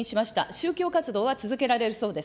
宗教活動は続けられるそうです。